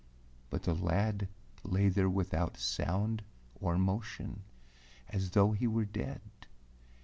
But the lad lay there without sound or motion, as though he were dead.